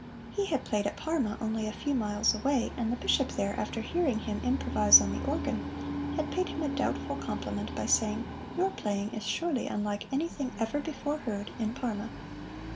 He had played at Parma, only a few miles away, and the Bishop there, after hearing him improvise on the organ, had paid him a doubtful compliment by saying, "Your playing is surely unlike anything ever before heard in Parma."